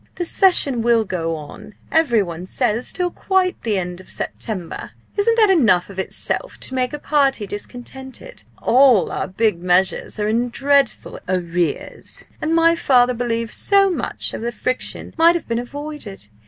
The session will go on, every one says, till quite the end of September. Isn't that enough of itself to make a party discontented? All our big measures are in dreadful arrears. And my father believes so much of the friction might have been avoided.